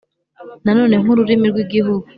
nanone nk’ururimi rw’igihugu,